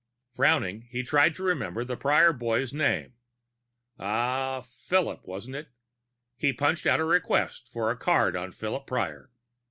Frowning, he tried to remember the Prior boy's name. Ah ... Philip, wasn't it? He punched out a request for the card on Philip Prior.